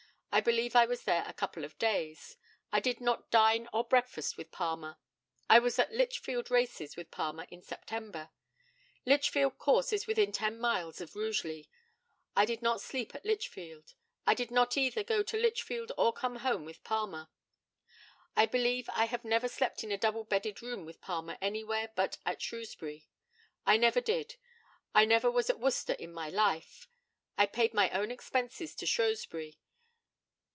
I believe I was there a couple of days. I did not dine or breakfast with Palmer. I was at Lichfield races with Palmer in September. Lichfield course is within ten miles of Rugeley. I did not sleep at Lichfield. I did not either go to Lichfield or come home with Palmer. I believe I have never slept in a double bedded room with Palmer anywhere but at Shrewsbury. I never did. I never was at Worcester in my life. I paid my own expenses to Shrewsbury.